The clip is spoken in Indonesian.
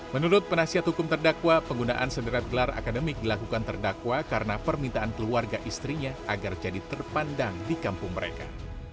menurut penasihat hukum terdakwa penggunaan sederat gelar akademik dilakukan terdakwa karena permintaan keluarga istrinya agar jadi terpandang di kampung mereka